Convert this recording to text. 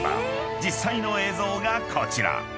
［実際の映像がこちら］